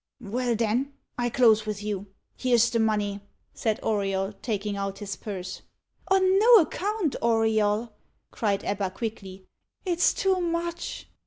"Well, then, I close with you. Here's the money," said Auriol, taking out his purse. "On no account, Auriol," cried Ebba quickly. "It's too much."